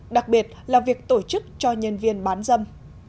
đặc biệt là việc tổ chức cho nhân viên bán dâm